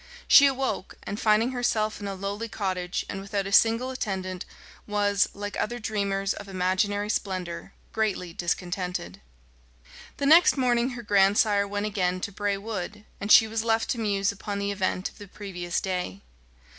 She awoke, and finding herself in a lowly cottage, and without a single attendant, was, like other dreamers of imaginary splendour, greatly discontented. The next morning her grandsire went again to Bray Wood, and she was left to muse upon the event of the previous day.